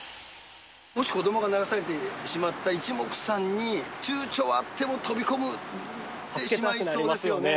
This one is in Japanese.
もし子どもが流されてしまったら、いちもくさんに、ちゅうちょはあっても飛び込んでしまいそうですよね。